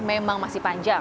memang masih panjang